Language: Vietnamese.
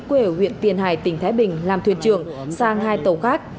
quê ở huyện tiền hải tỉnh thái bình làm thuyền trưởng sang hai tàu khác